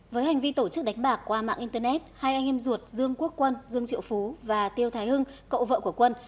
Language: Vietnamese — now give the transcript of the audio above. với hành vi tổ chức đánh bạc qua mạng internet hai anh em ruột dương quốc quân dương triệu phú và tiêu thái hưng cậu vợ của quân